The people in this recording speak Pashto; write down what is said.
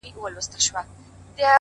له څه مودې ترخ يم خـــوابــــدې هغه ـ